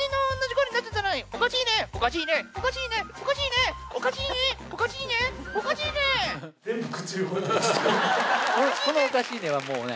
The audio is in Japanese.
この「おかしいね」はもうね。